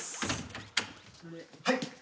はい。